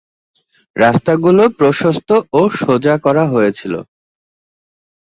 রাস্তাগুলো প্রশস্ত ও সোজা করা হয়েছিলো।